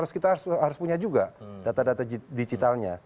kita harus punya juga data data digitalnya